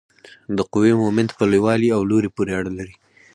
د قوې مومنت په لوی والي او لوري پورې اړه لري.